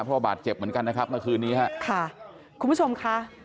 เพราะบาดเจ็บเหมือนกันนะครับเมื่อคืนนี้ฮะค่ะคุณผู้ชมค่ะ